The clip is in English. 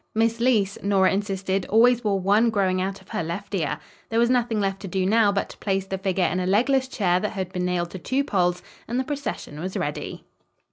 Miss Leece, Nora insisted, always wore one growing out of her left ear. There was nothing left to do now, but to place the figure in a legless chair that had been nailed to two poles, and the procession was ready.